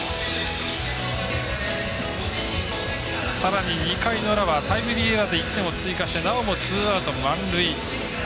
さらに、２回の裏タイムリーエラーで１点を追加してなおもツーアウト満塁。